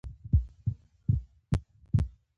غذایي محصولات په سمه توګه تعقیم نه وي.